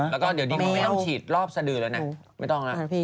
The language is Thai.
แล้วก็เดี๋ยวนี้เขาไม่ต้องฉีดรอบสะดือแล้วนะไม่ต้องแล้ว